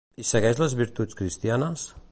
I segueix les virtuts cristianes?